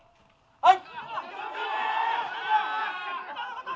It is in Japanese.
はい。